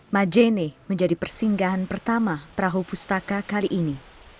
majene menjadi persinggahan pertama perahu pustaka kali ini